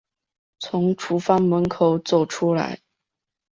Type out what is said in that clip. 从厨房门口走出来